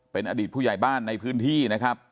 เป็นอดีตผู้ใหญ่บ้านในพื้นที่นะครับ